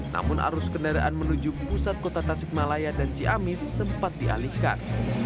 namun arus kendaraan menuju pusat kota tasikmalaya dan ciamis sempat dialihkan